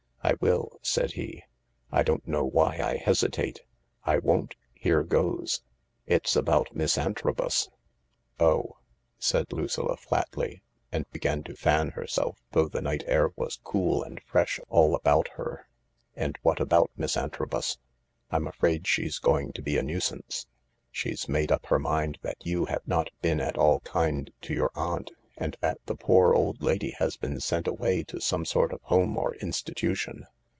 " I will," said he. " I don't know why I hesitate. I won't. Here goes. It's about Miss Antrobus," " Oh," said Lucilla flatly, and began to fan herself, though the night air was cool and fresh all about her. " And what about Miss Antrobus ?"" I'm afraid she's going to be a nuisance. She's made up her mind that you have not been at all kind to your aunt, and that the poor old lady has been sent away to some sort of home or institution."